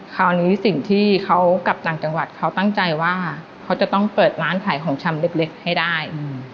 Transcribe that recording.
คราวนี้สิ่งที่เขากลับต่างจังหวัดเขาตั้งใจว่าเขาจะต้องเปิดร้านขายของชำเล็กให้ได้